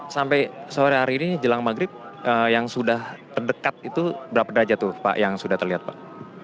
sampai sore hari ini jelang maghrib yang sudah terdekat itu berapa derajat tuh pak yang sudah terlihat pak